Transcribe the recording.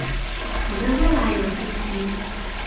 我對未來有信心